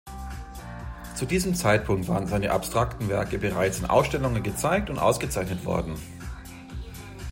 Zu diesem Zeitpunkt waren seine abstrakten Werke bereits in Ausstellungen gezeigt und ausgezeichnet worden.